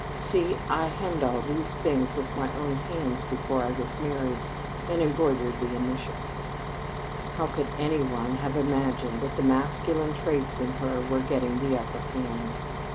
See, I hemmed all these things with my own hands before I was married, and embroidered the initials!" How could any one have imagined that the masculine traits in her were getting the upper hand!